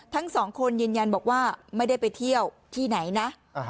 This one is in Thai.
ทั้งสองคนยืนยันบอกว่าไม่ได้ไปเที่ยวที่ไหนนะ